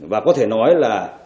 và có thể nói là